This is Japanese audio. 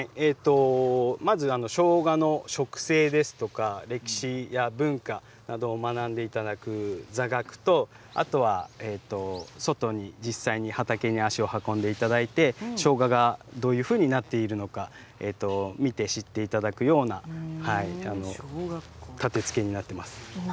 まずしょうがの植生ですとか歴史や文化などを学んでいただく座学と外に実際に畑に足を運んでいただいてしょうががどういうふうになっているのか見て知っていただくような形になっています。